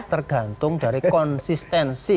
tergantung dari konsistensi